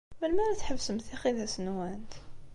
Melmi ara tḥebsemt tixidas-nwent?